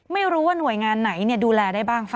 ไม่รู้ว่าหน่วยงานไหนดูแลได้บ้าง